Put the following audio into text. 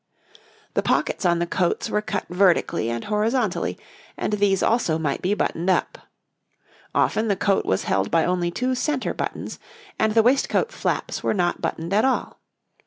The pockets on the coats were cut vertically and horizontally, and these also might be buttoned up. Often the coat was held by only two centre buttons, and the waistcoat flaps were not buttoned at all.